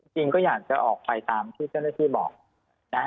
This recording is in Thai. จริงก็อยากจะออกไปตามที่เจ้าหน้าที่บอกนะฮะ